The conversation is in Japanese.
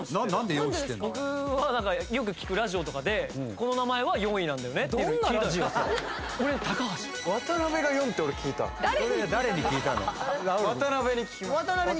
僕はよく聴くラジオとかでこの名前は４位なんだよねっていうふうに聞いた俺高橋渡辺が４って俺聞いた渡辺に聞きました